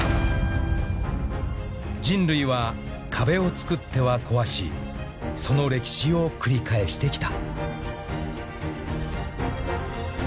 ［人類は壁をつくっては壊しその歴史を繰り返してきた］